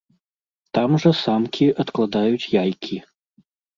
Там жа самкі адкладаюць яйкі.